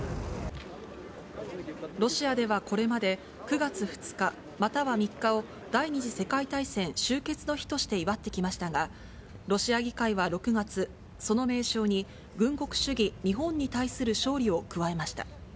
ロシアではこれまで、９月２日、または３日を、第２次世界大戦終結の日として祝ってきましたが、ロシア議会は６月、その名称に、軍国主義日本に対する勝利を加えました。